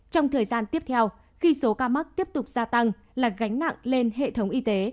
trong thời gian tiếp theo khi số ca mắc tiếp tục gia tăng là gánh nặng lên hệ thống y tế